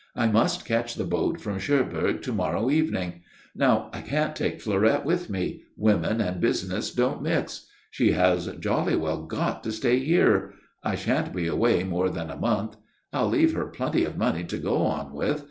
I must catch the boat from Cherbourg to morrow evening. Now, I can't take Fleurette with me. Women and business don't mix. She has jolly well got to stay here. I sha'n't be away more than a month. I'll leave her plenty of money to go on with.